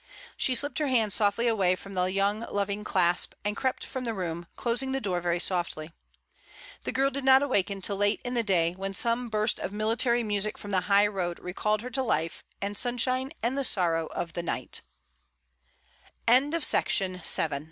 She slipped her hand softly away from the young loving clasp, and crept from the room, closing the door very softly. The girl did not awaken till late in the d^y, when some burst of military music from the high road recalled her to life and sunshine and the so